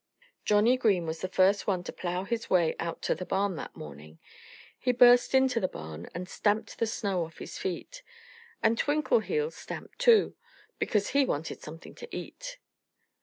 Johnnie Green was the first one to plough his way out to the barn that morning. He burst into the barn and stamped the snow off his feet. And Twinkleheels stamped, too, because he wanted something to eat.